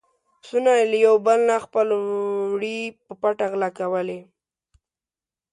پسونو له يو بل نه خپل وړي په پټه غلا کولې.